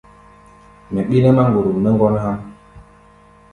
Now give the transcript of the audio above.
Mɛ ɓí nɛ́ máŋgorom mɛ́ ŋgɔ́n há̧ʼm.